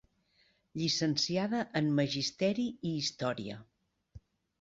Llicenciada en Magisteri i història.